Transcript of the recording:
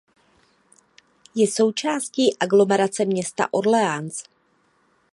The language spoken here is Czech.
Je součástí aglomerace města Orléans.